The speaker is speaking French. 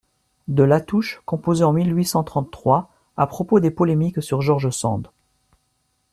de Latouche, composé en mille huit cent trente-trois, à propos des polémiques sur George Sand.